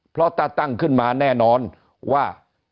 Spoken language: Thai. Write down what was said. เพราะถ้าตั้งขึ้นมาแน่นอนว่า